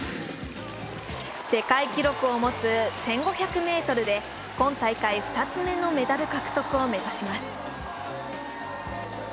世界記録を持つ１５００ｍで今大会２つ目のメダル獲得を目指します。